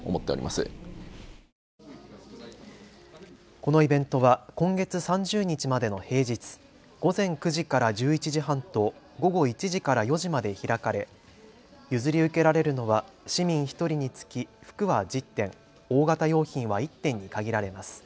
このイベントは今月３０日までの平日、午前９時から１１時半と午後１時から４時まで開かれ、譲り受けられるのは市民１人につき服は１０点、大型用品は１点に限られます。